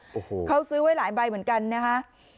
โอ้โหเขาซื้อไว้หลายใบเหมือนกันนะคะ